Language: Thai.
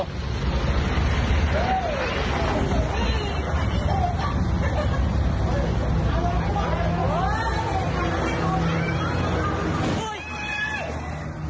ไงไงวะเร็ว